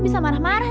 tidak ada kacau